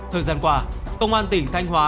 thời gian qua công an tỉnh thanh hóa